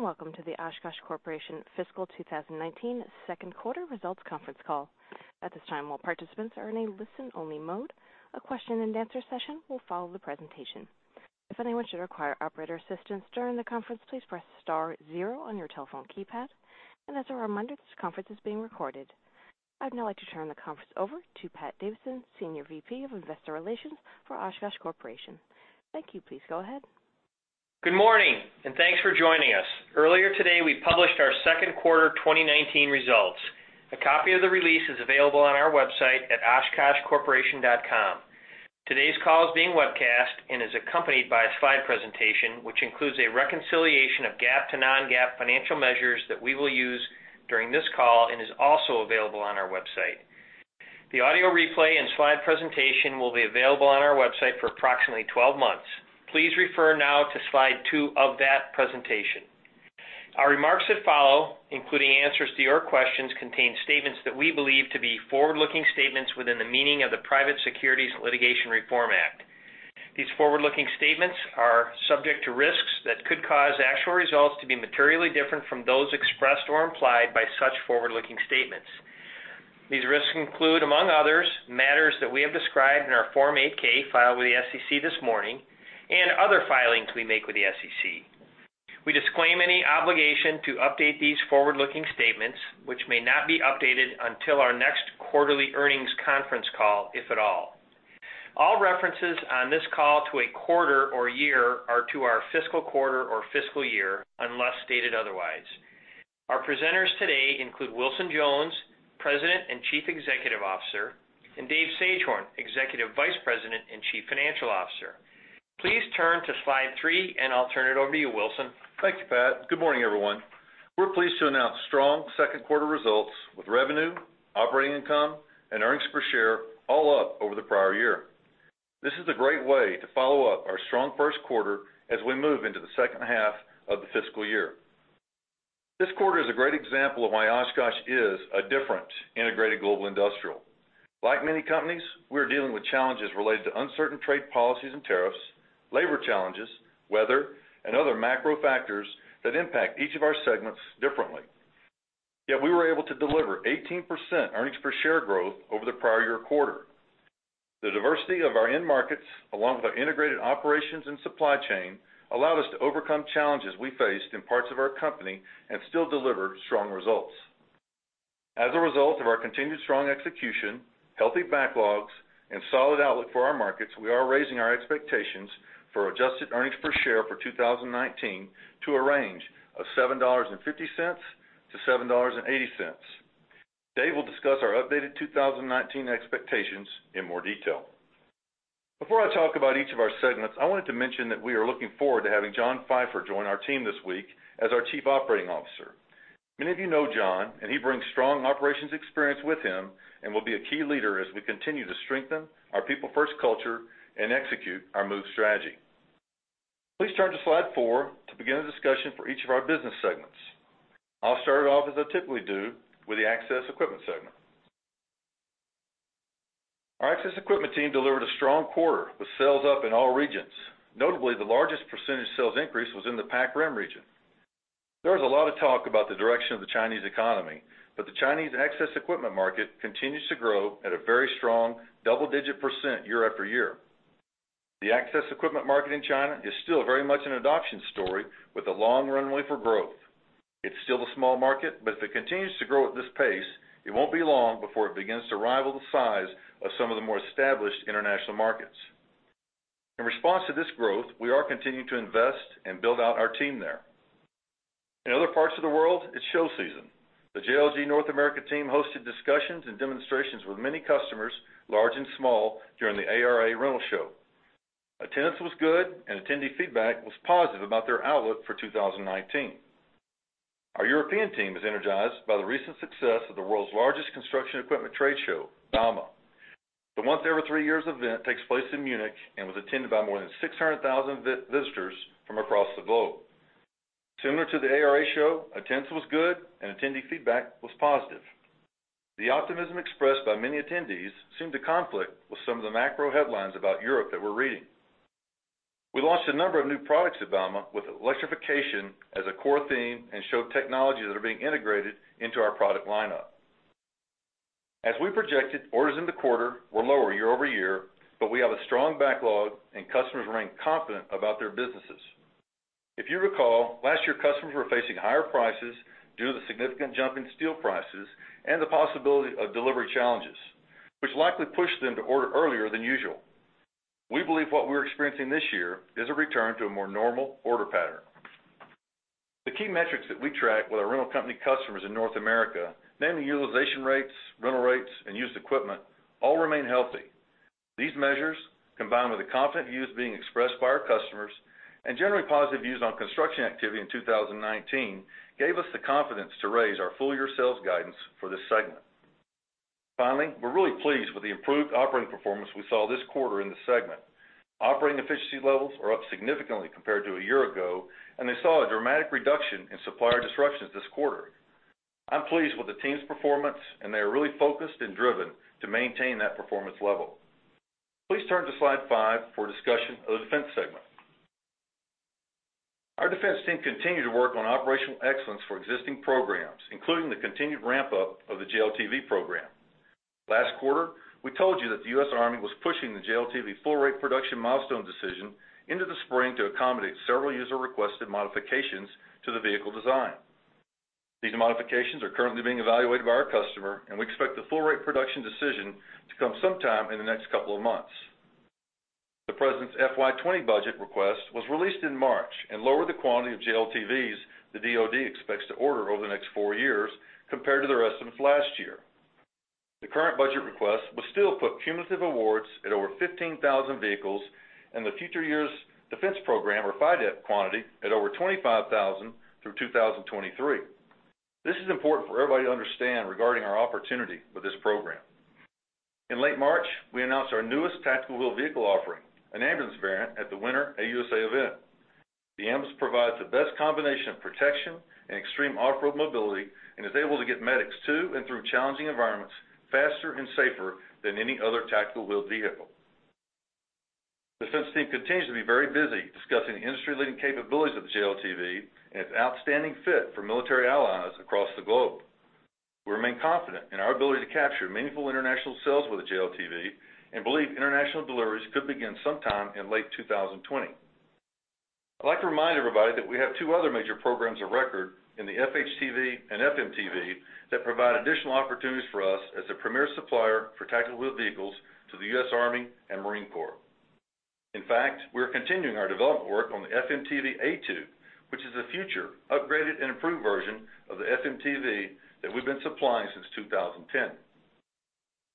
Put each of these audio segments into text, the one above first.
Good evening, and welcome to the Oshkosh Corporation Fiscal 2019 Second Quarter Results Conference Call. At this time, all participants are in a listen-only mode. A question-and-answer session will follow the presentation. If anyone should require operator assistance during the conference, please press star zero on your telephone keypad and as a reminder, this conference is being recorded. I'd now like to turn the conference over to Pat Davidson, Senior VP of Investor Relations for Oshkosh Corporation. Thank you. Please go ahead. Good morning, and thanks for joining us. Earlier today, we published our second quarter 2019 results. A copy of the release is available on our website at oshkoshcorporation.com. Today's call is being webcast and is accompanied by a slide presentation, which includes a reconciliation of GAAP to non-GAAP financial measures that we will use during this call and is also available on our website. The audio replay and slide presentation will be available on our website for approximately 12 months. Please refer now to slide two of that presentation. Our remarks that follow, including answers to your questions, contain statements that we believe to be forward-looking statements within the meaning of the Private Securities Litigation Reform Act. These forward-looking statements are subject to risks that could cause actual results to be materially different from those expressed or implied by such forward-looking statements. These risks include, among others, matters that we have described in our Form 8-K filed with the SEC this morning and other filings we make with the SEC. We disclaim any obligation to update these forward-looking statements, which may not be updated until our next quarterly earnings conference call, if at all. All references on this call to a quarter or year are to our fiscal quarter or fiscal year, unless stated otherwise. Our presenters today include Wilson Jones, President and Chief Executive Officer, and Dave Sagehorn, Executive Vice President and Chief Financial Officer. Please turn to slide three, and I'll turn it over to you, Wilson. Thank you, Pat. Good morning, everyone. We're pleased to announce strong second quarter results with revenue, operating income, and earnings per share all up over the prior year. This is a great way to follow up our strong first quarter as we move into the second half of the fiscal year. This quarter is a great example of why Oshkosh is a different integrated global industrial. Like many companies, we are dealing with challenges related to uncertain trade policies and tariffs, labor challenges, weather, and other macro factors that impact each of our segments differently. Yet we were able to deliver 18% earnings per share growth over the prior year quarter. The diversity of our end markets, along with our integrated operations and supply chain, allowed us to overcome challenges we faced in parts of our company and still deliver strong results. As a result of our continued strong execution, healthy backlogs, and solid outlook for our markets, we are raising our expectations for adjusted earnings per share for 2019 to a range of $7.50-$7.80. Dave will discuss our updated 2019 expectations in more detail. Before I talk about each of our segments, I wanted to mention that we are looking forward to having John Pfeifer join our team this week as our Chief Operating Officer. Many of you know John, and he brings strong operations experience with him and will be a key leader as we continue to strengthen our People First culture and execute our MOVE strategy. Please turn to slide four to begin a discussion for each of our business segments. I'll start it off, as I typically do, with the Access Equipment segment. Our Access Equipment team delivered a strong quarter, with sales up in all regions. Notably, the largest percentage sales increase was in the Pac Rim region. There was a lot of talk about the direction of the Chinese economy, but the Chinese Access Equipment market continues to grow at a very strong double-digit percent year after year. The Access Equipment market in China is still very much an adoption story with a long runway for growth. It's still a small market, but if it continues to grow at this pace, it won't be long before it begins to rival the size of some of the more established international markets. In response to this growth, we are continuing to invest and build out our team there. In other parts of the world, it's show season. The JLG North America team hosted discussions and demonstrations with many customers, large and small, during the ARA Rental Show. Attendance was good, and attendee feedback was positive about their outlook for 2019. Our European team is energized by the recent success of the world's largest construction equipment trade show, Bauma. The once every three years event takes place in Munich and was attended by more than 600,000 visitors from across the globe. Similar to the ARA show, attendance was good and attendee feedback was positive. The optimism expressed by many attendees seemed to conflict with some of the macro headlines about Europe that we're reading. We launched a number of new products at Bauma, with electrification as a core theme and showed technologies that are being integrated into our product lineup. As we projected, orders in the quarter were lower year-over-year, but we have a strong backlog, and customers remain confident about their businesses. If you recall, last year, customers were facing higher prices due to the significant jump in steel prices and the possibility of delivery challenges, which likely pushed them to order earlier than usual. We believe what we're experiencing this year is a return to a more normal order pattern. The key metrics that we track with our rental company customers in North America, namely utilization rates, rental rates, and used equipment, all remain healthy. These measures, combined with the confident views being expressed by our customers and generally positive views on construction activity in 2019, gave us the confidence to raise our full-year sales guidance for this segment. Finally, we're really pleased with the improved operating performance we saw this quarter in the segment. Operating efficiency levels are up significantly compared to a year ago, and they saw a dramatic reduction in supplier disruptions this quarter. I'm pleased with the team's performance, and they are really focused and driven to maintain that performance level. Please turn to slide five for a discussion of the Defense segment. Our Defense team continued to work on operational excellence for existing programs, including the continued ramp-up of the JLTV program. Last quarter, we told you that the U.S. Army was pushing the JLTV full rate production milestone decision into the spring to accommodate several user-requested modifications to the vehicle design. These modifications are currently being evaluated by our customer, and we expect the full rate production decision to come sometime in the next couple of months. The President's FY 2020 budget request was released in March and lowered the quantity of JLTVs the DoD expects to order over the next four years compared to the rest of last year. The current budget request will still put cumulative awards at over 15,000 vehicles and the Future Years Defense Program, or FYDP, quantity at over 25,000 through 2023. This is important for everybody to understand regarding our opportunity with this program. In late March, we announced our newest tactical wheeled vehicle offering, an ambulance variant at the winter AUSA event. The ambulance provides the best combination of protection and extreme off-road mobility and is able to get medics to and through challenging environments faster and safer than any other tactical wheeled vehicle. Defense team continues to be very busy discussing the industry-leading capabilities of the JLTV and its outstanding fit for military allies across the globe. We remain confident in our ability to capture meaningful international sales with the JLTV and believe international deliveries could begin sometime in late 2020. I'd like to remind everybody that we have two other major programs of record in the FHTV and FMTV that provide additional opportunities for us as a premier supplier for tactical wheeled vehicles to the U.S. Army and Marine Corps. In fact, we're continuing our development work on the FMTV A2, which is a future upgraded and improved version of the FMTV that we've been supplying since 2010.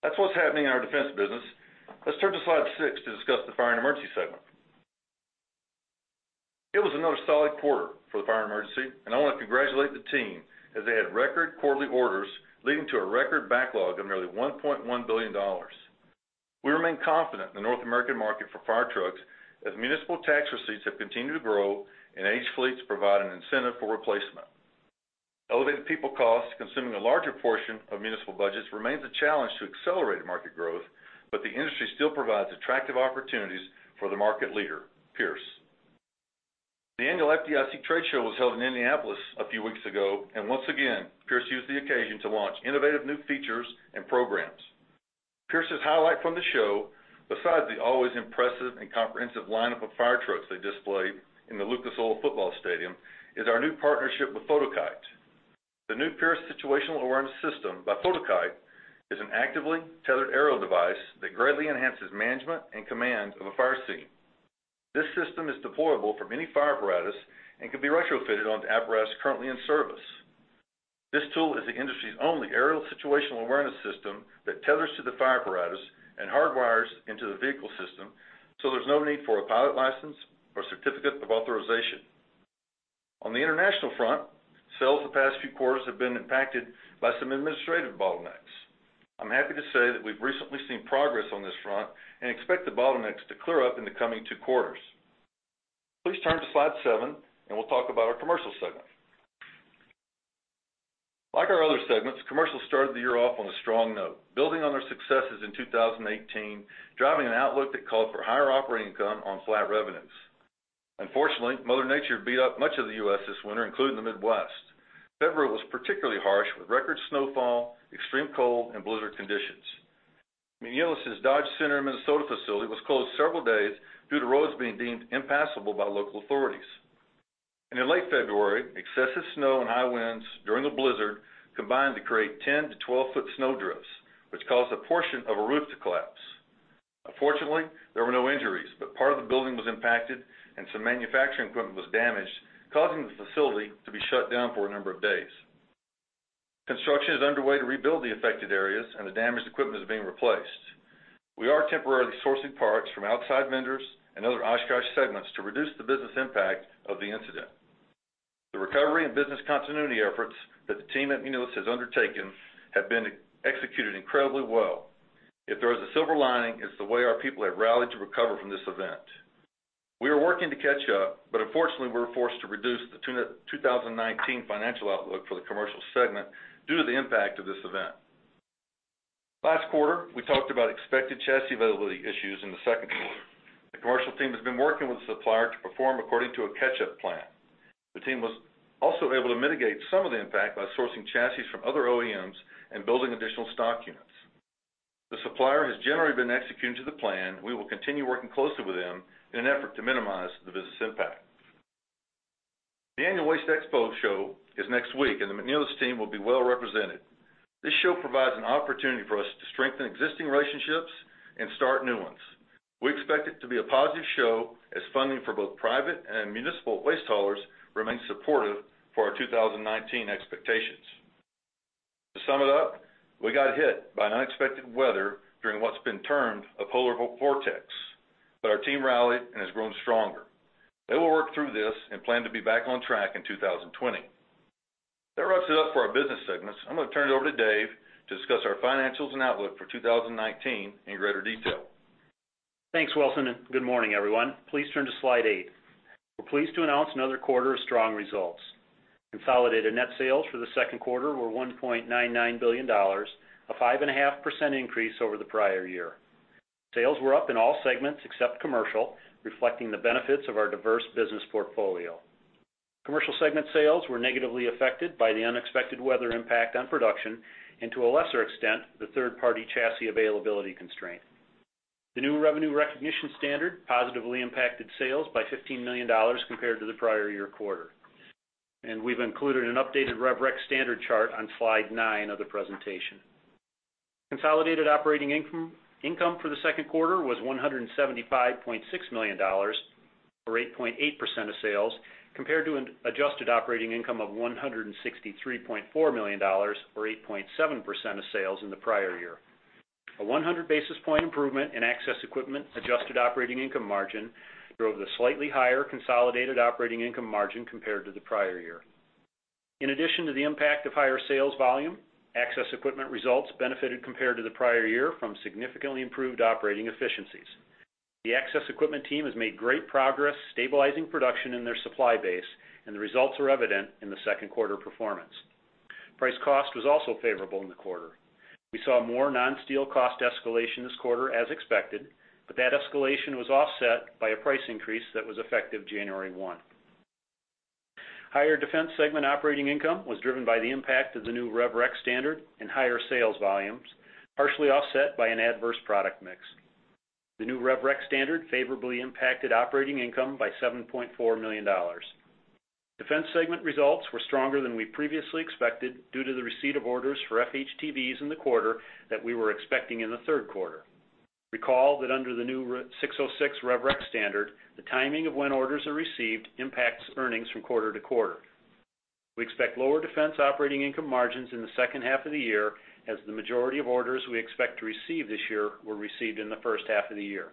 That's what's happening in our Defense business. Let's turn to slide six to the Fire and Emergency segment. It was another solid quarter Fire and Emergency, and i want to congratulate the team as they had record quarterly orders, leading to a record backlog of nearly $1.1 billion. We remain confident in the North American market for fire trucks as municipal tax receipts have continued to grow and aged fleets provide an incentive for replacement. Elevated people costs, consuming a larger portion of municipal budgets, remains a challenge to accelerated market growth, but the industry still provides attractive opportunities for the market leader, Pierce. The annual FDIC trade show was held in Indianapolis a few weeks ago, and once again, Pierce used the occasion to launch innovative new features and programs. Pierce's highlight from the show, besides the always impressive and comprehensive lineup of fire trucks they displayed in the Lucas Oil Stadium, is our new partnership with Fotokite. The new Pierce Situational Awareness System by Fotokite is an actively tethered aerial device that greatly enhances management and command of a fire scene. This system is deployable from any fire apparatus and can be retrofitted onto apparatus currently in service. This tool is the industry's only aerial situational awareness system that tethers to the fire apparatus and hardwires into the vehicle system, so there's no need for a pilot license or certificate of authorization. On the international front, sales the past few quarters have been impacted by some administrative bottlenecks. I'm happy to say that we've recently seen progress on this front and expect the bottlenecks to clear up in the coming two quarters. Please turn to slide seven, and we'll talk about our Commercial segment. Like our other segments, Commercial started the year off on a strong note, building on their successes in 2018, driving an outlook that called for higher operating income on flat revenues. Unfortunately, Mother Nature beat up much of the U.S. this winter, including the Midwest. February was particularly harsh, with record snowfall, extreme cold, and blizzard conditions. McNeilus' Dodge Center, Minnesota, facility was closed several days due to roads being deemed impassable by local authorities. In late February, excessive snow and high winds during the blizzard combined to create 10- to 12-foot snow drifts, which caused a portion of a roof to collapse. Unfortunately, there were no injuries, but part of the building was impacted and some manufacturing equipment was damaged, causing the facility to be shut down for a number of days. Construction is underway to rebuild the affected areas, and the damaged equipment is being replaced. We are temporarily sourcing parts from outside vendors and other Oshkosh segments to reduce the business impact of the incident. The recovery and business continuity efforts that the team at McNeilus has undertaken have been executed incredibly well. If there is a silver lining, it's the way our people have rallied to recover from this event. We are working to catch up, but unfortunately, we're forced to reduce the 2019 financial outlook for the Commercial segment due to the impact of this event. Last quarter, we talked about expected chassis availability issues in the second quarter. The Commercial team has been working with the supplier to perform according to a catch-up plan. The team was also able to mitigate some of the impact by sourcing chassis from other OEMs and building additional stock units. The supplier has generally been executing to the plan. We will continue working closely with them in an effort to minimize the business impact. The annual Waste Expo show is next week, and the McNeilus team will be well represented. This show provides an opportunity for us to strengthen existing relationships and start new ones. We expect it to be a positive show as funding for both private and municipal waste haulers remains supportive for our 2019 expectations. To sum it up, we got hit by unexpected weather during what's been termed a polar vortex, but our team rallied and has grown stronger. They will work through this and plan to be back on track in 2020. That wraps it up for our business segments. I'm going to turn it over to Dave to discuss our financials and outlook for 2019 in greater detail. Thanks, Wilson, and good morning, everyone. Please turn to slide eight. We're pleased to announce another quarter of strong results. Consolidated net sales for the second quarter were $1.99 billion, a 5.5% increase over the prior year. Sales were up in all segments except Commercial, reflecting the benefits of our diverse business portfolio. Commercial segment sales were negatively affected by the unexpected weather impact on production and, to a lesser extent, the third-party chassis availability constraint. The new revenue recognition standard positively impacted sales by $15 million compared to the prior year quarter, and we've included an updated rev rec standard chart on slide nine of the presentation. Consolidated operating income, income for the second quarter was $175.6 million, or 8.8% of sales, compared to an adjusted operating income of $163.4 million, or 8.7% of sales in the prior year. A 100 basis point improvement in Access equipment adjusted operating income margin drove the slightly higher consolidated operating income margin compared to the prior year. In addition to the impact of higher sales volume, Access equipment results benefited compared to the prior year from significantly improved operating efficiencies. The Access equipment team has made great progress stabilizing production in their supply base, and the results are evident in the second quarter performance. Price cost was also favorable in the quarter. We saw more non-steel cost escalation this quarter, as expected, but that escalation was offset by a price increase that was effective January 1. Higher Defense segment operating income was driven by the impact of the new rev rec standard and higher sales volumes, partially offset by an adverse product mix. The new rev rec standard favorably impacted operating income by $7.4 million. Defense segment results were stronger than we previously expected due to the receipt of orders for FHTVs in the quarter that we were expecting in the third quarter. Recall that under the new ASC 606 rev rec standard, the timing of when orders are received impacts earnings from quarter-to-quarter. We expect lower Defense operating income margins in the second half of the year, as the majority of orders we expect to receive this year were received in the first half of the year.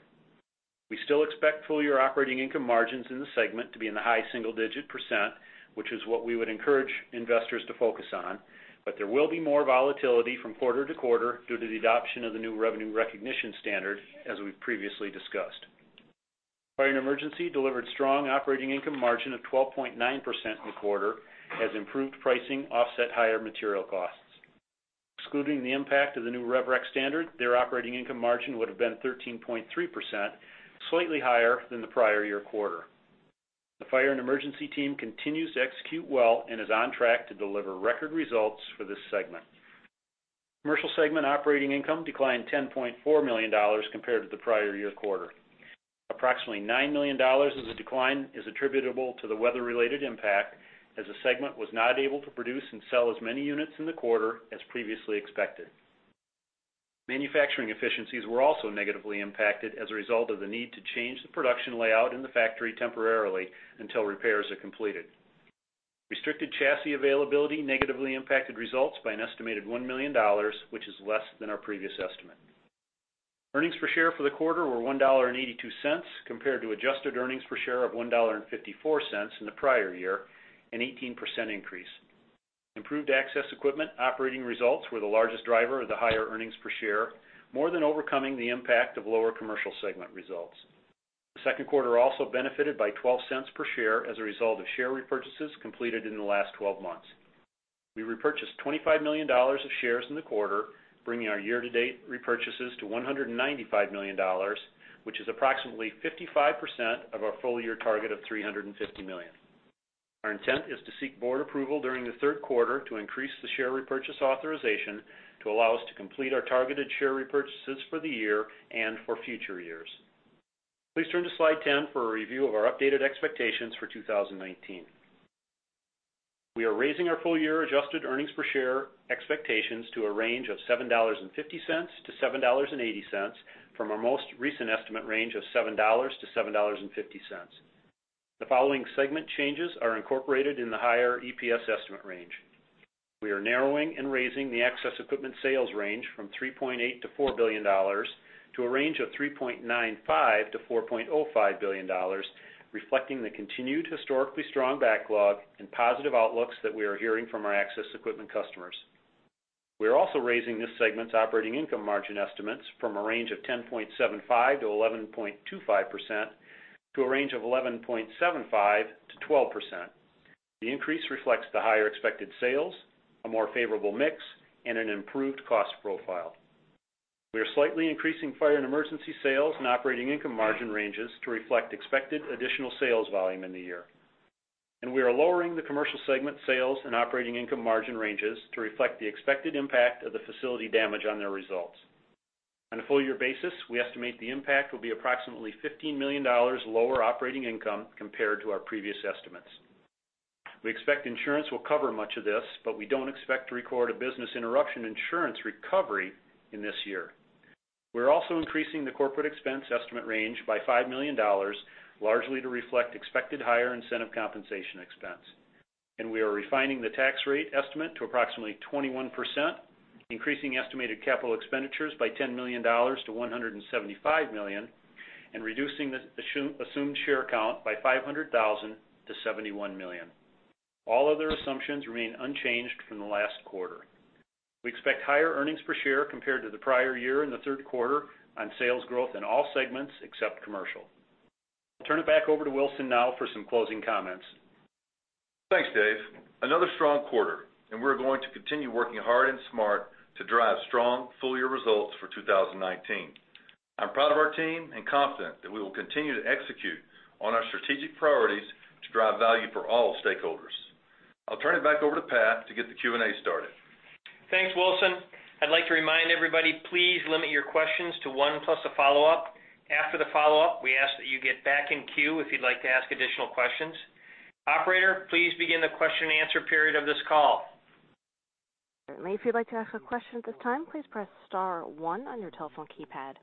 We still expect full-year operating income margins in the segment to be in the high single-digit percent, which is what we would encourage investors to focus on, but there will be more volatility from quarter-to-quarter due to the adoption of the new revenue recognition standard, as we've previously discussed. Fire and Emergency delivered strong operating income margin of 12.9% in the quarter, as improved pricing offset higher material costs. Excluding the impact of the new rev rec standard, their operating income margin would have been 13.3%, slightly higher than the prior-year quarter. Fire and Emergency team continues to execute well and is on track to deliver record results for this segment. Commercial segment operating income declined $10.4 million compared to the prior year quarter. Approximately $9 million of the decline is attributable to the weather-related impact, as the segment was not able to produce and sell as many units in the quarter as previously expected. Manufacturing efficiencies were also negatively impacted as a result of the need to change the production layout in the factory temporarily until repairs are completed. Restricted chassis availability negatively impacted results by an estimated $1 million, which is less than our previous estimate. Earnings per share for the quarter were $1.82, compared to adjusted earnings per share of $1.54 in the prior year, an 18% increase. Improved Access equipment operating results were the largest driver of the higher earnings per share, more than overcoming the impact of lower Commercial segment results. The second quarter also benefited by $0.12 per share as a result of share repurchases completed in the last 12 months. We repurchased $25 million of shares in the quarter, bringing our year-to-date repurchases to $195 million, which is approximately 55% of our full-year target of $350 million. Our intent is to seek board approval during the third quarter to increase the share repurchase authorization to allow us to complete our targeted share repurchases for the year and for future years. Please turn to slide 10 for a review of our updated expectations for 2019. We are raising our full-year adjusted earnings per share expectations to a range of $7.50-$7.80 from our most recent estimate range of $7-$7.50. The following segment changes are incorporated in the higher EPS estimate range. We are narrowing and raising the Access equipment sales range from $3.8 billion-$4 billion, to a range of $3.95 billion-$4.05 billion, reflecting the continued historically strong backlog and positive outlooks that we are hearing from our Access equipment customers. We are also raising this segment's operating income margin estimates from a range of 10.75%-11.25%, to a range of 11.75%-12%. The increase reflects the higher expected sales, a more favorable mix, and an improved cost profile. We are Fire and Emergency sales and operating income margin ranges to reflect expected additional sales volume in the year. We are lowering the Commercial segment sales and operating income margin ranges to reflect the expected impact of the facility damage on their results. On a full year basis, we estimate the impact will be approximately $15 million lower operating income compared to our previous estimates. We expect insurance will cover much of this, but we don't expect to record a business interruption insurance recovery in this year. We're also increasing the corporate expense estimate range by $5 million, largely to reflect expected higher incentive compensation expense. We are refining the tax rate estimate to approximately 21%, increasing estimated capital expenditures by $10 million-$175 million, and reducing the assumed share count by 500,000-71 million. All other assumptions remain unchanged from the last quarter. We expect higher earnings per share compared to the prior year in the third quarter on sales growth in all segments except Commercial. I'll turn it back over to Wilson now for some closing comments. Thanks, Dave. Another strong quarter, and we're going to continue working hard and smart to drive strong full-year results for 2019. I'm proud of our team and confident that we will continue to execute on our strategic priorities to drive value for all stakeholders. I'll turn it back over to Pat to get the Q&A started. Thanks, Wilson. I'd like to remind everybody, please limit your questions to 1+ a follow-up. After the follow-up, we ask that you get back in queue if you'd like to ask additional questions. Operator, please begin the question-and-answer period of this call. Certainly. If you'd like to ask a question at this time, please press star one on your telephone keypad.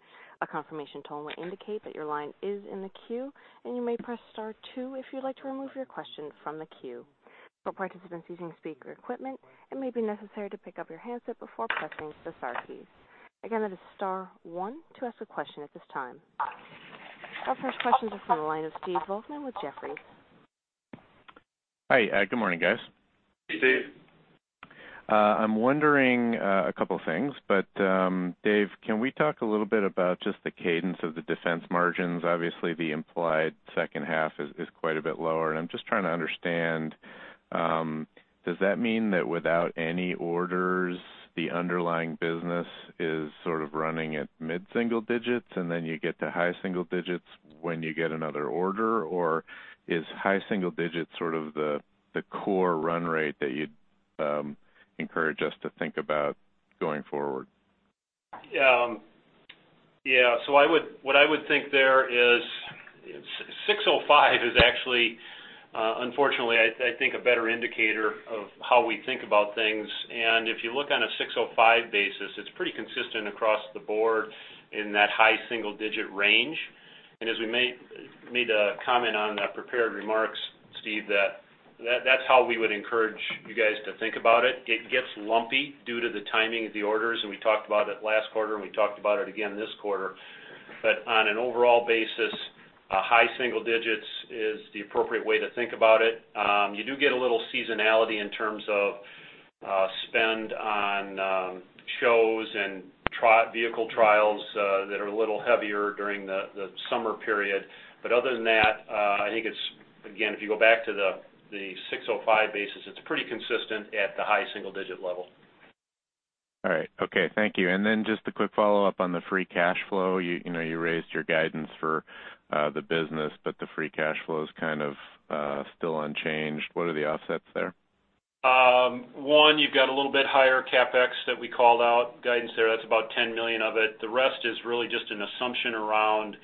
A confirmation tone will indicate that your line is in the queue, and you may press star two if you'd like to remove your question from the queue. For participants using speaker equipment, it may be necessary to pick up your handset before pressing the star key. Again, that is star one to ask a question at this time. Our first question is from the line of Stephen Volkmann with Jefferies. Hi, good morning, guys. Hey, Steve. I'm wondering, a couple things, but, Dave, can we talk a little bit about just the cadence of the Defense margins? Obviously, the implied second half is, is quite a bit lower, and I'm just trying to understand, does that mean that without any orders, the underlying business is sort of running at mid-single digits, and then you get to high single digits when you get another order or is high single digits sort of the, the core run rate that you'd, encourage us to think about going forward? Yeah, so what I would think there is, 605 is actually, unfortunately, I think, a better indicator of how we think about things and if you look on a 605 basis, it's pretty consistent across the board in that high single-digit range. As we made a comment on the prepared remarks, Steve, that's how we would encourage you guys to think about it. It gets lumpy due to the timing of the orders, and we talked about it last quarter, and we talked about it again this quarter, but on an overall basis, a high single digits is the appropriate way to think about it. You do get a little seasonality in terms of spend on shows and vehicle trials that are a little heavier during the summer period. But other than that, I think it's, again, if you go back to the 605 basis, it's pretty consistent at the high single-digit level. All right. Okay, thank you. Then just a quick follow-up on the free cash flow. You know, you raised your guidance for the business, but the free cash flow is kind of still unchanged. What are the offsets there? One, you've got a little bit higher CapEx that we called out, guidance there, that's about $10 million of it. The rest is really just an assumption around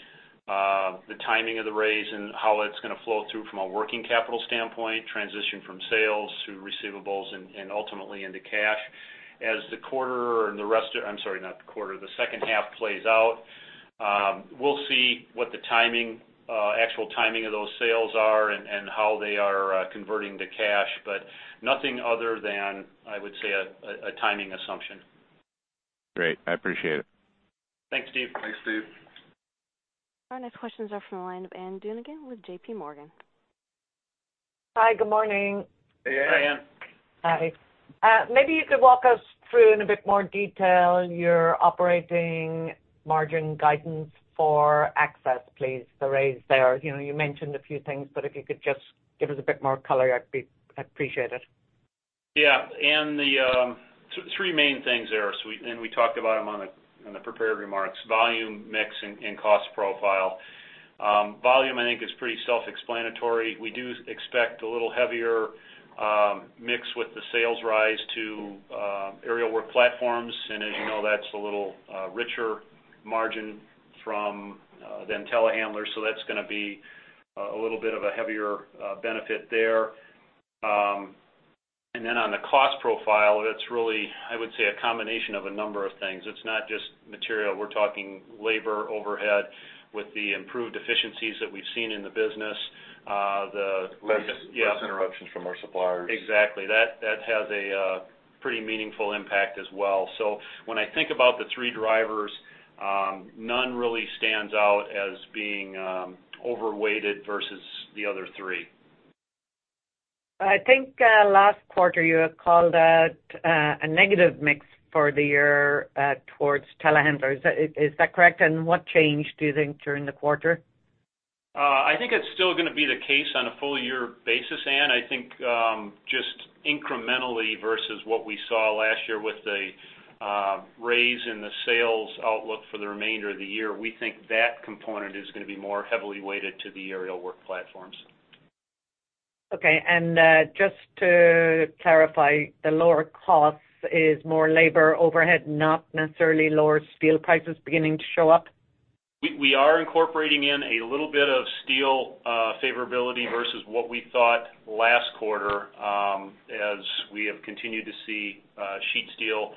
the timing of the raise and how it's gonna flow through from a working capital standpoint, transition from sales to receivables and ultimately into cash. As the quarter and the rest of... I'm sorry, not the quarter, the second half plays out, we'll see what the timing, actual timing of those sales are and how they are converting to cash, but nothing other than, I would say, a timing assumption. Great. I appreciate it. Thanks, Steve. Thanks, Steve. Our next questions are from the line of Ann Duignan with J.P. Morgan. Hi, good morning. Hey, Ann. Hi, Ann. Hi. Maybe you could walk us through in a bit more detail your operating margin guidance for Access, please, the raise there. You know, you mentioned a few things, but if you could just give us a bit more color, I'd appreciate it. Yeah, and the three main things there, so we, and we talked about them on the, in the prepared remarks, volume, mix, and cost profile. Volume, I think, is pretty self-explanatory. We do expect a little heavier mix with the sales rise to aerial work platforms, and as you know, that's a little richer margin than telehandlers. So that's gonna be a little bit of a heavier benefit there. Then on the cost profile, that's really, I would say, a combination of a number of things. It's not just material. We're talking labor, overhead, with the improved efficiencies that we've seen in the business, the- Less interruptions from our suppliers. Exactly. That has a pretty meaningful impact as well. So when I think about the three drivers, none really stands out as being overweighted versus the other three. I think, last quarter, you had called out, a negative mix for the year, towards telehandlers. Is that, is that correct and what changed, do you think, during the quarter? I think it's still gonna be the case on a full year basis, Ann. I think, just incrementally versus what we saw last year with the raise in the sales outlook for the remainder of the year, we think that component is gonna be more heavily weighted to the aerial work platforms. Okay. Just to clarify, the lower cost is more labor overhead, not necessarily lower steel prices beginning to show up? We are incorporating in a little bit of steel favorability versus what we thought last quarter, as we have continued to see sheet steel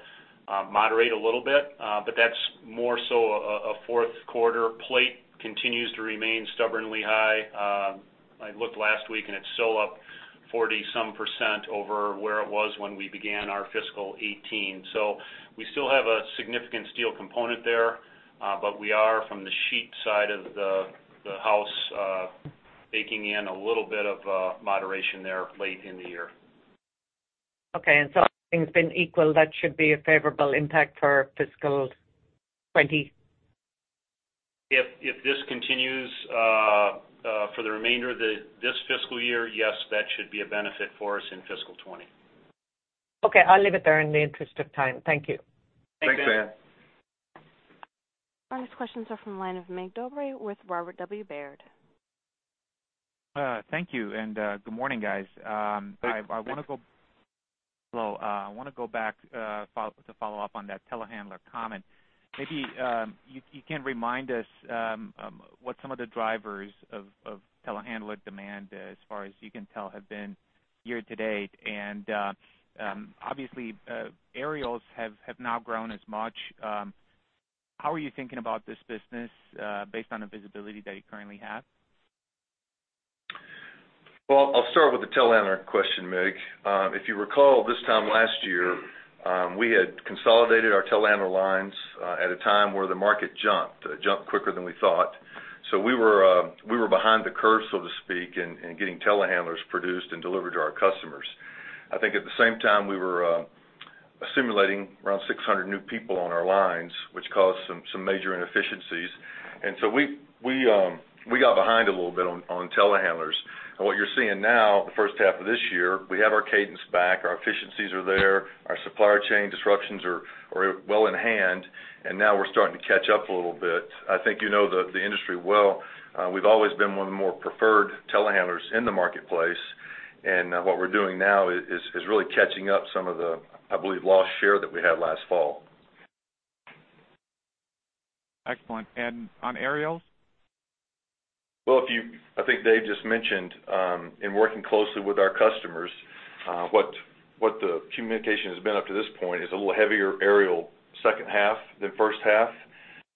moderate a little bit, but that's more so a fourth quarter. Plate continues to remain stubbornly high. I looked last week, and it's still up 40-some percent over where it was when we began our fiscal 2018. So we still have a significant steel component there, but we are from the sheet side of the house baking in a little bit of moderation there late in the year. Okay. So everything's been equal, that should be a favorable impact for fiscal 2020? If this continues for the remainder of this fiscal year, yes, that should be a benefit for us in fiscal 2020. Okay. I'll leave it there in the interest of time. Thank you. Thanks, Ann. Our next questions are from the line of Mig Dobre with Robert W. Baird. Thank you, and good morning, guys. I want to go- Good. Hello, I want to go back to follow up on that telehandler comment. Maybe you can remind us what some of the drivers of telehandler demand, as far as you can tell, have been year-to-date. Obviously, aerials have not grown as much. How are you thinking about this business based on the visibility that you currently have? Well, I'll start with the telehandler question, Mig. If you recall, this time last year, we had consolidated our telehandler lines at a time where the market jumped, it jumped quicker than we thought. So we were behind the curve, so to speak, in getting telehandlers produced and delivered to our customers. I think at the same time, we were assimilating around 600 new people on our lines, which caused some major inefficiencies. So we got behind a little bit on telehandlers. What you're seeing now, the first half of this year, we have our cadence back, our efficiencies are there, our supply chain disruptions are well in hand, and now we're starting to catch up a little bit. I think you know the industry well. We've always been one of the more preferred telehandlers in the marketplace, and what we're doing now is really catching up some of the, I believe, lost share that we had last fall. Excellent, and on aerials? Well, I think Dave just mentioned, in working closely with our customers, what the communication has been up to this point is a little heavier aerial second half than first half.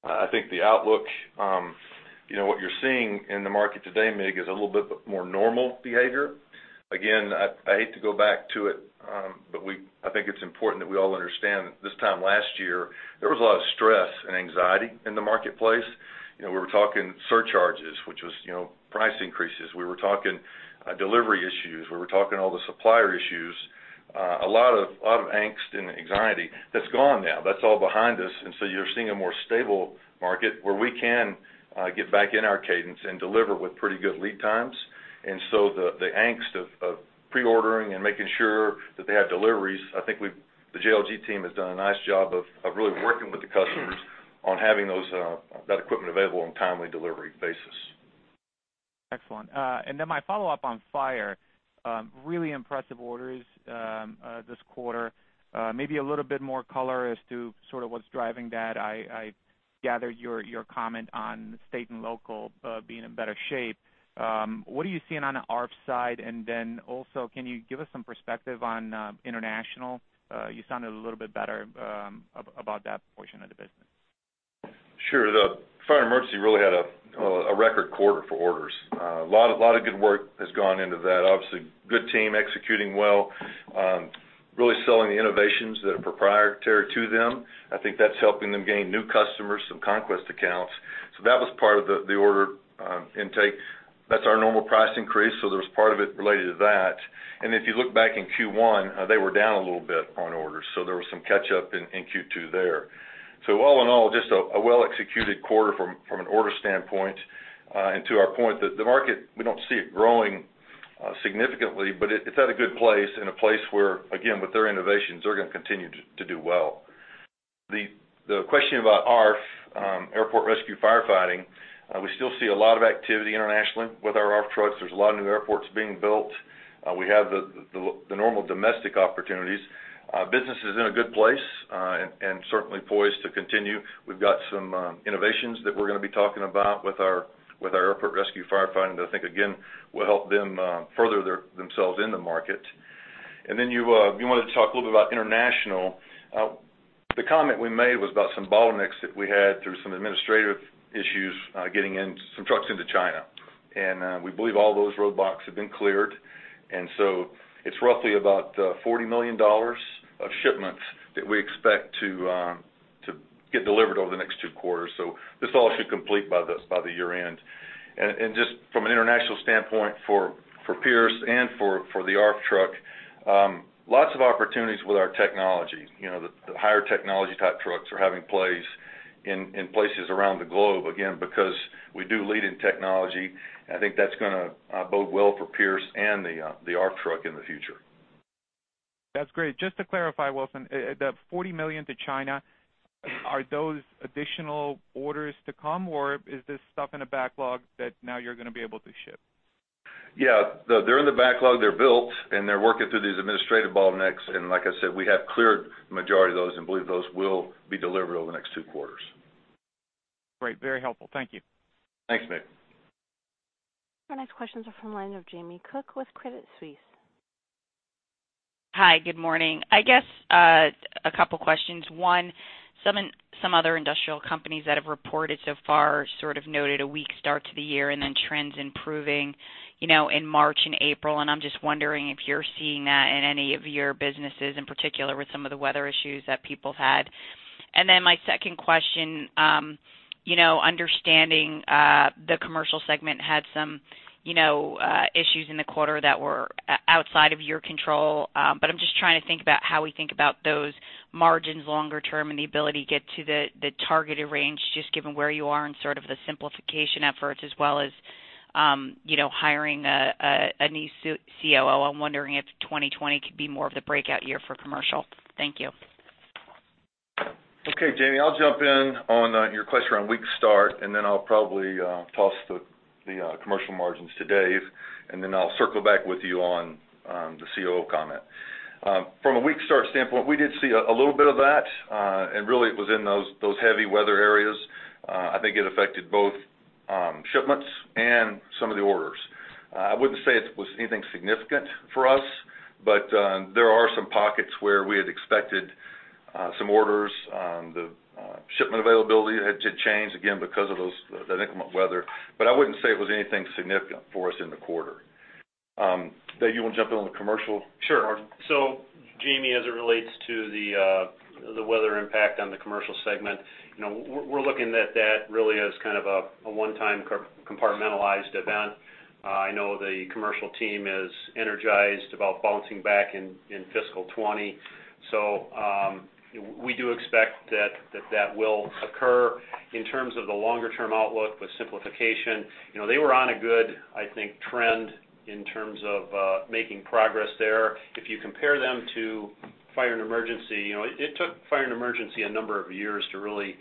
I think the outlook, you know, what you're seeing in the market today, Mig, is a little bit more normal behavior. Again, I hate to go back to it, but I think it's important that we all understand that this time last year, there was a lot of stress and anxiety in the marketplace. You know, we were talking surcharges, which was, you know, price increases. We were talking delivery issues. We were talking all the supplier issues. A lot of angst and anxiety that's gone now. That's all behind us, and so you're seeing a more stable market where we can get back in our cadence and deliver with pretty good lead times. So the angst of pre-ordering and making sure that they have deliveries, I think the JLG team has done a nice job of really working with the customers on having that equipment available on a timely delivery basis. Excellent. Then my follow-up on fire, really impressive orders this quarter. Maybe a little bit more color as to sort of what's driving that. I gather your comment on state and local being in better shape. What are you seeing on the ARFF side? Then also, can you give us some perspective on international? You sounded a little bit better about that portion of the business. Fire and Emergency really had a record quarter for orders. A lot of good work has gone into that. Obviously, good team executing well, really selling the innovations that are proprietary to them. I think that's helping them gain new customers, some conquest accounts. So that was part of the order intake. That's our normal price increase, so there was part of it related to that and if you look back in Q1, they were down a little bit on orders, so there was some catch up in Q2 there. So all in all, just a well-executed quarter from an order standpoint. To our point, the market, we don't see it growing significantly, but it's at a good place and a place where, again, with their innovations, they're going to continue to do well. The question about ARFF, Aircraft Rescue Firefighting, we still see a lot of activity internationally with our ARFF trucks. There's a lot of new airports being built. We have the normal domestic opportunities. Business is in a good place, and certainly poised to continue. We've got some innovations that we're going to be talking about with our Aircraft Rescue Firefighting, that I think, again, will help them further themselves in the market. Then you wanted to talk a little bit about international. The comment we made was about some bottlenecks that we had through some administrative issues, getting in some trucks into China and we believe all those roadblocks have been cleared, and so it's roughly about $40 million of shipments that we expect to get delivered over the next two quarters. So this all should complete by the year-end, and just from an international standpoint, for Pierce and for the ARFF truck, lots of opportunities with our technology. You know, the higher technology-type trucks are having plays in places around the globe, again, because we do lead in technology. I think that's gonna bode well for Pierce and the ARFF truck in the future. That's great. Just to clarify, Wilson, the $40 million to China, are those additional orders to come, or is this stuff in a backlog that now you're gonna be able to ship? Yeah. They're in the backlog, they're built, and they're working through these administrative bottlenecks. Like I said, we have cleared the majority of those and believe those will be delivered over the next two quarters. Great. Very helpful. Thank you. Thanks, Mig. Our next questions are from the line of Jamie Cook with Credit Suisse. Hi, good morning. I guess, a couple questions. One, some other industrial companies that have reported so far sort of noted a weak start to the year and then trends improving, you know, in March and April. I'm just wondering if you're seeing that in any of your businesses, in particular, with some of the weather issues that people had. Then my second question, you know, understanding, the Commercial segment had some, you know, issues in the quarter that were outside of your control. But I'm just trying to think about how we think about those margins longer term and the ability to get to the targeted range, just given where you are and sort of the simplification efforts, as well as, you know, hiring a new COO. I'm wondering if 2020 could be more of the breakout year for Commercial. Thank you. Okay, Jamie, I'll jump in on your question around weak start, and then I'll probably toss the Commercial margins to Dave, and then I'll circle back with you on the COO comment. From a weak start standpoint, we did see a little bit of that, and really it was in those heavy weather areas. I think it affected both shipments and some of the orders. I wouldn't say it was anything significant for us, but there are some pockets where we had expected some orders. The shipment availability had to change again because of that inclement weather, but I wouldn't say it was anything significant for us in the quarter. Dave, you want to jump in on the Commercial margin? Sure. So Jamie, as it relates to the weather impact on the Commercial segment, you know, we're looking at that really as kind of a one-time compartmentalized event. I know the Commercial team is energized about bouncing back in fiscal 2020. So, we do expect that will occur. In terms of the longer-term outlook with simplification, you know, they were on a good, I think, trend in terms of making progress there. If you compare Fire and Emergency, you know, Fire and Emergency a number of years to really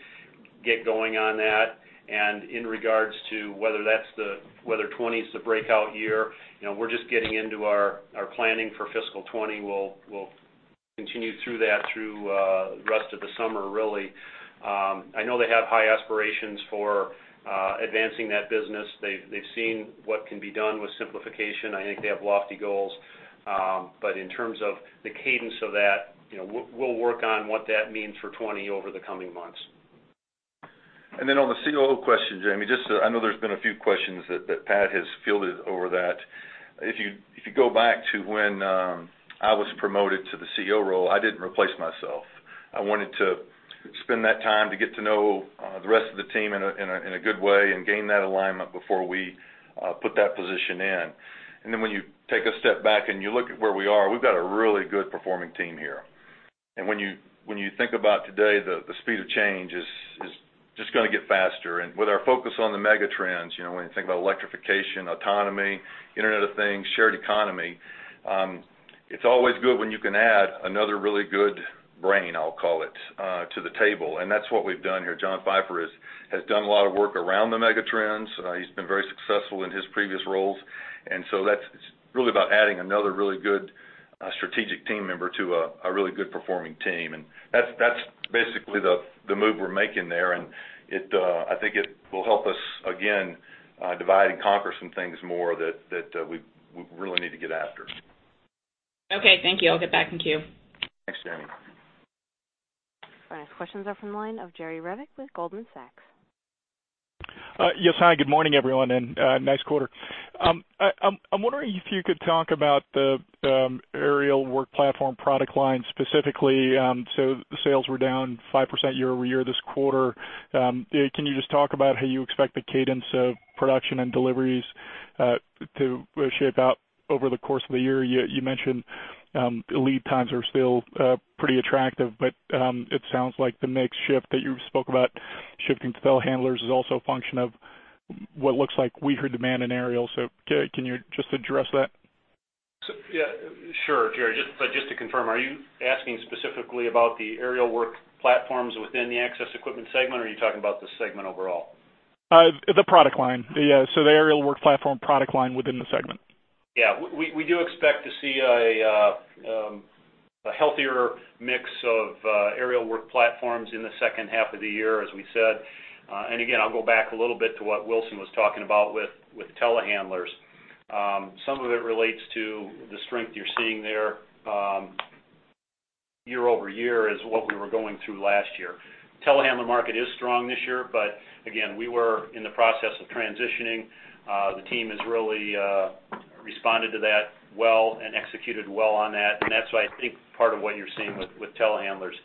get going on that and in regards to whether that's whether 2020 is the breakout year, you know, we're just getting into our planning for fiscal 2020. We'll continue through that the rest of the summer, really. I know they have high aspirations for advancing that business. They've seen what can be done with simplification. I think they have lofty goals, but in terms of the cadence of that, you know, we'll work on what that means for 2020 over the coming months. Then on the COO question, Jamie, just to... I know there's been a few questions that Pat has fielded over that. If you go back to when I was promoted to the CEO role, I didn't replace myself. I wanted to spend that time to get to know the rest of the team in a good way and gain that alignment before we put that position in. Then when you take a step back and you look at where we are, we've got a really good performing team here and when you think about today, the speed of change is just gonna get faster. With our focus on the mega trends, you know, when you think about electrification, autonomy, Internet of Things, shared economy, it's always good when you can add another really good brain, I'll call it, to the table and that's what we've done here. John Pfeifer has done a lot of work around the mega trends. He's been very successful in his previous roles and so that's really about adding another really good strategic team member to a really good performing team. That's basically the move we're making there and I think it will help us again divide and conquer some things more that we really need to get after. Okay, thank you. I'll get back in queue. Thanks, Jamie. Our next questions are from the line of Jerry Revich with Goldman Sachs. Yes, hi, good morning, everyone, and nice quarter. I'm wondering if you could talk about the aerial work platform product line specifically. So the sales were down 5% year-over-year this quarter. Can you just talk about how you expect the cadence of production and deliveries to shape out over the course of the year? You mentioned lead times are still pretty attractive, but it sounds like the mix shift that you spoke about, shifting to telehandlers, is also a function of what looks like weaker demand in aerial. So can you just address that? Yeah, sure, Jerry. Just to confirm, are you asking specifically about the aerial work platforms within the Access equipment segment, or are you talking about the segment overall? The product line. Yeah, so the aerial work platform product line within the segment. Yeah, we do expect to see a healthier mix of aerial work platforms in the second half of the year, as we said. Again, I'll go back a little bit to what Wilson was talking about with telehandlers. Some of it relates to the strength you're seeing there year-over-year is what we were going through last year. Telehandler market is strong this year, but again, we were in the process of transitioning. The team has really responded to that well and executed well on that, and that's why I think part of what you're seeing with telehandlers.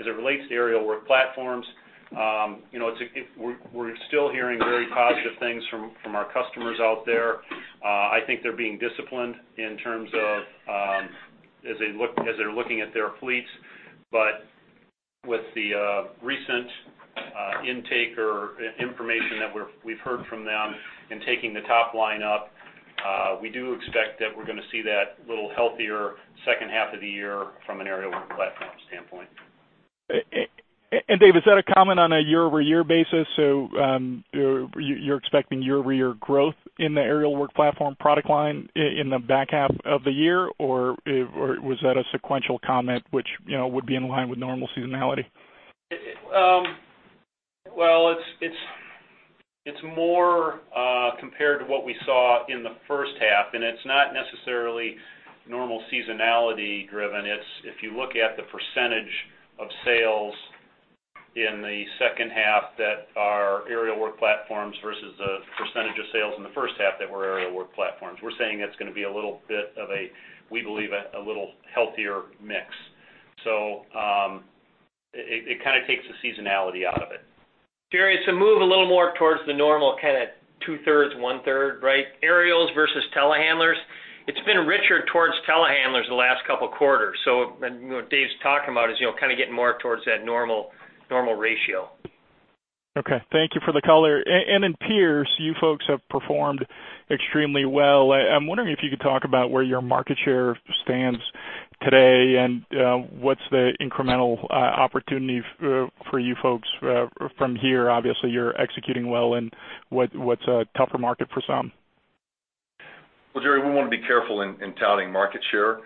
As it relates to aerial work platforms, you know, we're still hearing very positive things from our customers out there. I think they're being disciplined in terms of as they're looking at their fleets, but with the recent intake or information that we've heard from them in taking the top line up, we do expect that we're gonna see that little healthier second half of the year from an aerial work platform standpoint. Dave, is that a comment on a year-over-year basis? So, you're expecting year-over-year growth in the aerial work platform product line in the back half of the year, or was that a sequential comment which, you know, would be in line with normal seasonality? It's more compared to what we saw in the first half, and it's not necessarily normal seasonality driven. It's if you look at the percentage of sales in the second half that are aerial work platforms versus the percentage of sales in the first half that were aerial work platforms. We're saying it's gonna be a little bit of a, we believe, a little healthier mix. So it kind of takes the seasonality out of it. Jerry, it's a move a little more towards the normal, kind of 2/3, 1/3, right? Aerials versus telehandlers. It's been richer towards telehandlers the last couple of quarters. So you know, Dave's talking about is you know, kind of getting more towards that normal, normal ratio. Okay. Thank you for the color. In Pierce, you folks have performed extremely well. I'm wondering if you could talk about where your market share stands today, and what's the incremental opportunity for you folks from here? Obviously, you're executing well in what's a tougher market for some. Well, Jerry, we want to be careful in touting market share.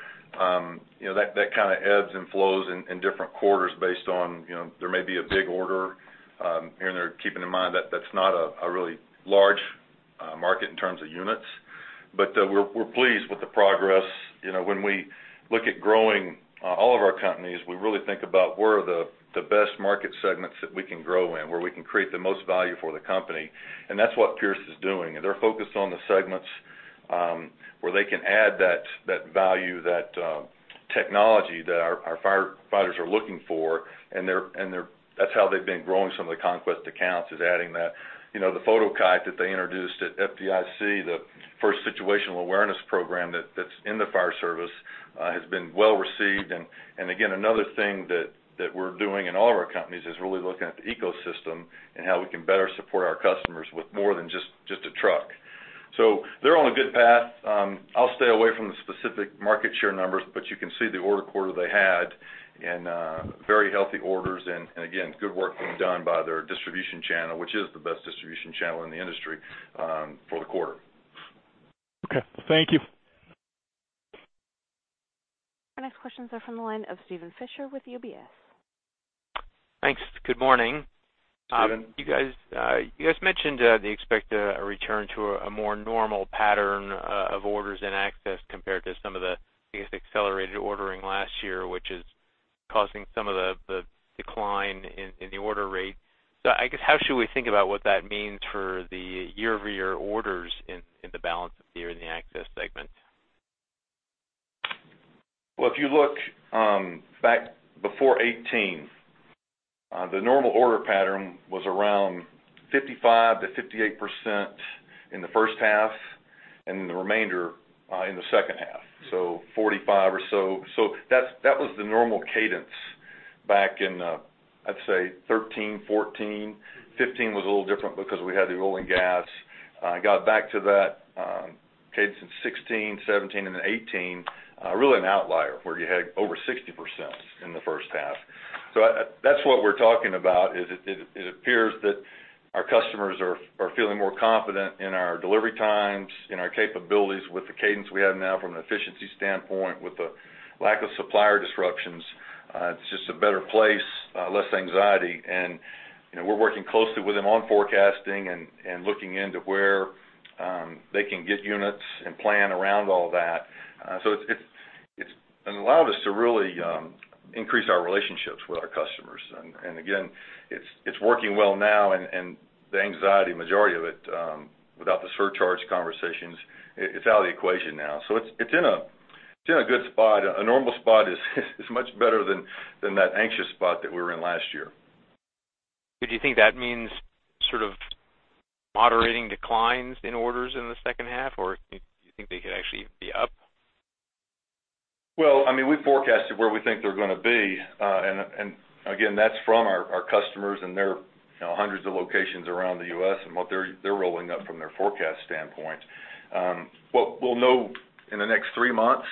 You know, that, that kind of ebbs and flows in, in different quarters based on, you know, there may be a big order, and they're keeping in mind that that's not a, a really large, market in terms of units. But, we're, we're pleased with the progress. You know, when we look at growing, all of our companies, we really think about where are the, the best market segments that we can grow in, where we can create the most value for the company, and that's what Pierce is doing. They're focused on the segments, where they can add that, that value, that, technology that our, our firefighters are looking for, and they're... That's how they've been growing some of the Conquest accounts is adding that. You know, the Fotokite that they introduced at FDIC, the first situational awareness program that's in the fire service, has been well received. Again, another thing that we're doing in all of our companies is really looking at the ecosystem and how we can better support our customers with more than just a truck. So they're on a good path. I'll stay away from the specific market share numbers, but you can see the order quarter they had, and very healthy orders and again, good work being done by their distribution channel, which is the best distribution channel in the industry, for the quarter. Okay. Thank you. Our next questions are from the line of Steven Fisher with UBS. Thanks. Good morning. Steven. You guys, you guys mentioned that you expect a return to a more normal pattern of orders in Access compared to some of the, I guess, accelerated ordering last year, which is causing some of the decline in the order rate. So I guess, how should we think about what that means for the year-over-year orders in the balance of the year in the Access segment? Well, if you look back before 2018, the normal order pattern was around 55%-58% in the first half and the remainder in the second half. So 45 or so. So that was the normal cadence back in, I'd say 2013, 2014. 2015 was a little different because we had the oil and gas. It got back to that cadence in 2016, 2017, and then 2018 really an outlier, where you had over 60% in the first half. So that's what we're talking about, it appears that our customers are feeling more confident in our delivery times, in our capabilities with the cadence we have now from an efficiency standpoint, with the lack of supplier disruptions. It's just a better place, less anxiety. You know, we're working closely with them on forecasting and looking into where they can get units and plan around all that. So it's allowed us to really increase our relationships with our customers. Again, it's working well now, and the anxiety, majority of it, without the surcharge conversations, it's out of the equation now. So it's in a good spot. A normal spot is much better than that anxious spot that we were in last year. But do you think that means sort of moderating declines in orders in the second half, or do you think they could actually be up? Well, I mean, we forecasted where we think they're going to be. Again, that's from our customers and their, you know, hundreds of locations around the U.S. and what they're rolling up from their forecast standpoint. What we'll know in the next three months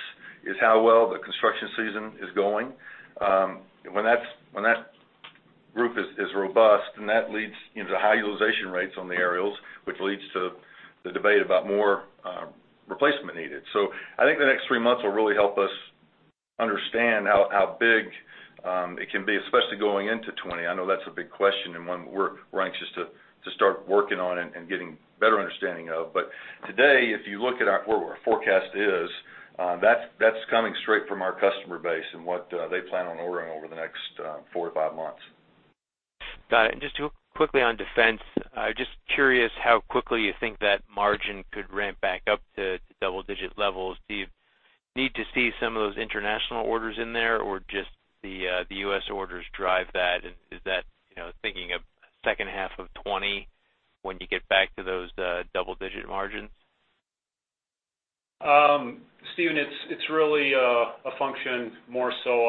is how well the construction season is going. When that group is robust, then that leads, you know, to high utilization rates on the aerials, which leads to the debate about more replacement needed. So I think the next three months will really help us understand how big it can be, especially going into 2020. I know that's a big question and one we're anxious to start working on and getting better understanding of. But today, if you look at our forecast, that's coming straight from our customer base and what they plan on ordering over the next 4-5 months. Got it. Just quickly on Defense, I'm just curious how quickly you think that margin could ramp back up to double-digit levels. Do you need to see some of those international orders in there, or just the U.S. orders drive that? Is that, you know, thinking of second half of 2020 when you get back to those double-digit margins? Steven, it's really a function more so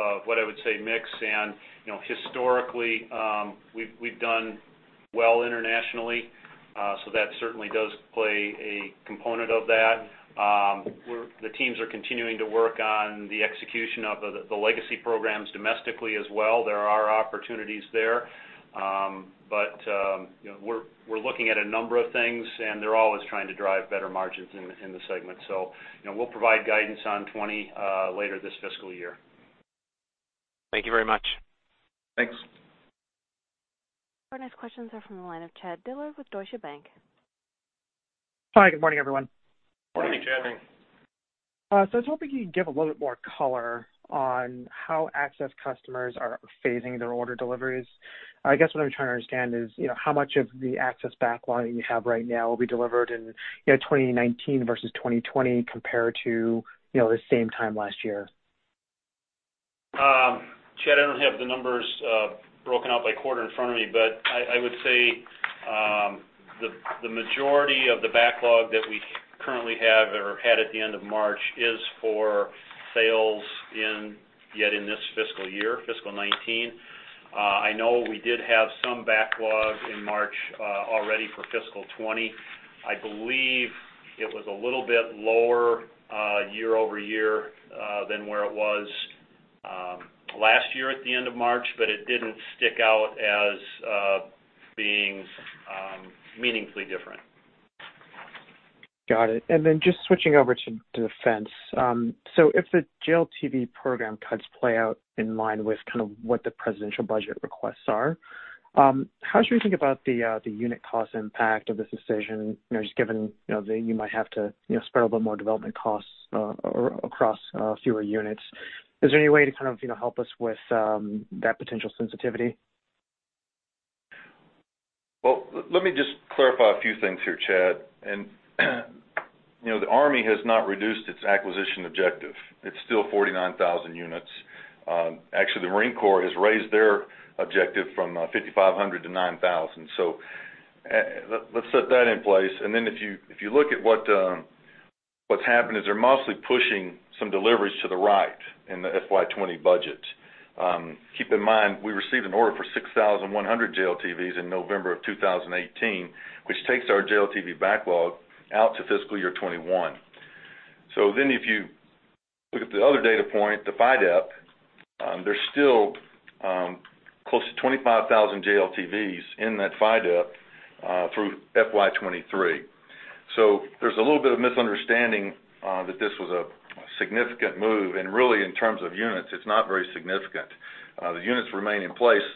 of what I would say mix and, you know, historically, we've done well internationally, so that certainly does play a component of that. The teams are continuing to work on the execution of the legacy programs domestically as well. There are opportunities there. But, you know, we're, we're looking at a number of things, and they're always trying to drive better margins in the segment. So, you know, we'll provide guidance on 2020 later this fiscal year. Thank you very much. Thanks. Our next questions are from the line of Chad Dillard with Deutsche Bank. Hi, good morning, everyone. Morning, Chad. Morning. I was hoping you could give a little bit more color on how Access customers are phasing their order deliveries? I guess what I'm trying to understand is, you know, how much of the Access backlog you have right now will be delivered in, you know, 2019 versus 2020, compared to, you know, the same time last year? Chad, I don't have the numbers broken out by quarter in front of me, but I would say the majority of the backlog that we currently have or had at the end of March is for sales in-- yet in this fiscal year, fiscal 2019. I know we did have some backlog in March already for fiscal 2020. I believe it was a little bit lower year-over-year than where it was last year at the end of March, but it didn't stick out as being meaningfully different. Got it. Then just switching over to Defense. So if the JLTV program cuts play out in line with kind of what the presidential budget requests are, how should we think about the unit cost impact of this decision, you know, just given, you know, that you might have to, you know, spread a little more development costs, or across, fewer units? Is there any way to kind of, you know, help us with, that potential sensitivity? Well, let me just clarify a few things here, Chad. You know, the Army has not reduced its acquisition objective. It's still 49,000 units. Actually, the Marine Corps has raised their objective from 5,500-9,000. So, let's set that in place. Then if you look at what's happened, is they're mostly pushing some deliveries to the right in the FY 2020 budget. Keep in mind, we received an order for 6,100 JLTVs in November of 2018, which takes our JLTV backlog out to fiscal year 2021. So then if you look at the other data point, the FYDP, there's still close to 25,000 JLTVs in that FYDP through FY 2023. So there's a little bit of misunderstanding that this was a significant move, and really, in terms of units, it's not very significant. The units remain in place.